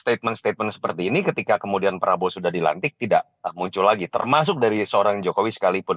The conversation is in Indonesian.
statement statement seperti ini ketika kemudian prabowo sudah dilantik tidak muncul lagi termasuk dari seorang jokowi sekalipun